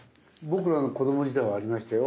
僕らの子ども時代はありましたよ。